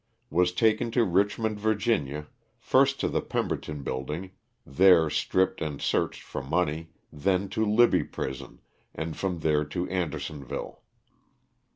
Was taken to Kichmond, Va., first to the Pemberton build ing — there stripped and searched for money, then to Libby prison, and from there to Andersonville.